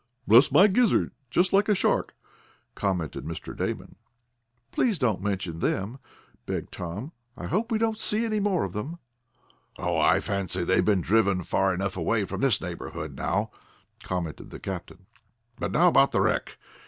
"Bless my gizzard! Just like a shark," commented Mr. Damon. "Please don't mention them," begged Tom. "I hope we don't see any more of them." "Oh, I fancy they have been driven far enough away from this neighborhood now," commented the captain. "But now about the wreck.